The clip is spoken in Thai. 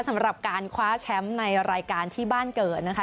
สำหรับการคว้าแชมป์ในรายการที่บ้านเกิดนะคะ